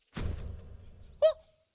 ・あっ？